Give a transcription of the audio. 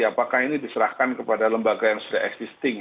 apakah ini diserahkan kepada lembaga yang sudah existing